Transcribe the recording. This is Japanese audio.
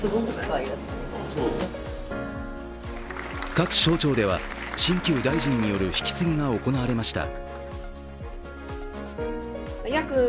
各省庁では新旧大臣による引き継ぎが行われました。